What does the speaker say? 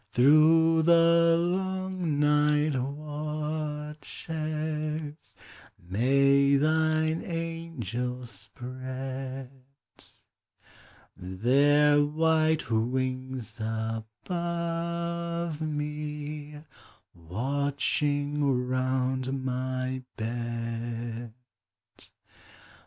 Through the long night watches May thine angels spread Their white wings above me, Watching round my bed.